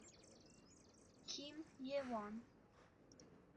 Kim Ye-won